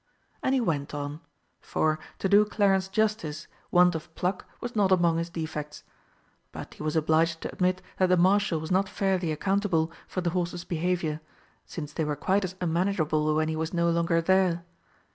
And he went on; for, to do Clarence justice, want of pluck was not among his defects. But he was obliged to admit that the Marshal was not fairly accountable for the horses' behaviour, since they were quite as unmanageable when he was no longer there.